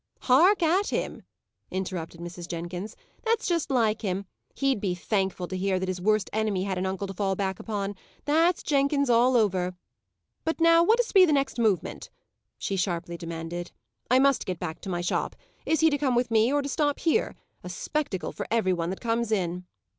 "Hark at him!" interrupted Mrs. Jenkins. "That's just like him! He'd be 'thankful' to hear that his worst enemy had an uncle to fall back upon. That's Jenkins all over. But now, what is to be the next movement?" she sharply demanded. "I must get back to my shop. Is he to come with me, or to stop here a spectacle for every one that comes in?"